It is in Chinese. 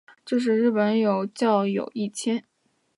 这时日本有教友一千。